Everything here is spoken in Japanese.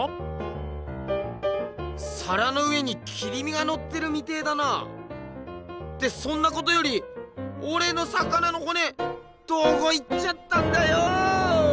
さらの上に切り身がのってるみてえだな！ってそんなことよりオレの魚のほねどこいっちゃったんだよ！